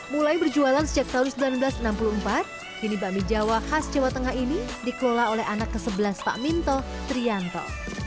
mulai berjualan sejak tahun seribu sembilan ratus enam puluh empat kini bakmi jawa khas jawa tengah ini dikelola oleh anak ke sebelas pak minto trianto